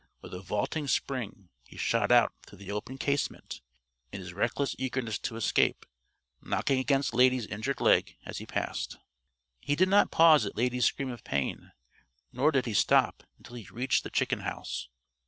With a vaulting spring, he shot out through the open casement, in his reckless eagerness to escape, knocking against Lady's injured leg as he passed. He did not pause at Lady's scream of pain, nor did he stop until he reached the chicken house.